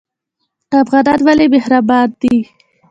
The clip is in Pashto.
افغانان ولې مهربان دي؟